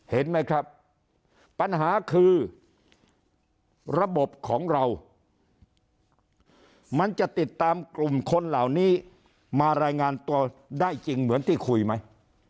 เห็นไหมครับปัญหาคือระบบของเรามันจะติดตามกลุ่มคนเหล่านี้มารายงานตัวได้จริงเหมือนที่คุยไหม